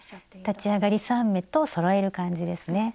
立ち上がり３目とそろえる感じですね。